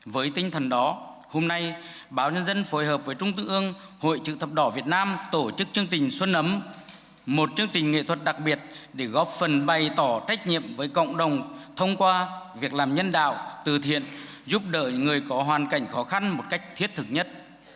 với tinh thần đó hôm nay báo nhân dân phối hợp với trung ương hội chữ thập đỏ việt nam tổ chức chương trình xuân ấm một chương trình nghệ thuật đặc biệt để góp phần bày tỏ trách nhiệm với cộng đồng thông qua việc làm nhân đạo từ thiện giúp đỡ người có hoàn cảnh khó khăn một cách thiết thực nhất